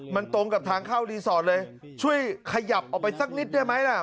มันตรงกับทางเข้ารีสอร์ทเลยช่วยขยับออกไปสักนิดได้ไหมล่ะ